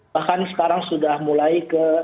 bahkan sekarang sudah mulai ke